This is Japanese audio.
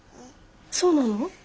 そうなの？